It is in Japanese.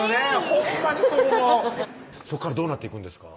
ほんまにそう思うそこからどうなっていくんですか？